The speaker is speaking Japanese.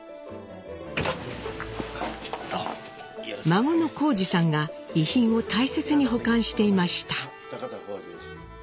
孫の幸二さんが遺品を大切に保管していました。